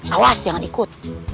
awas jangan ikut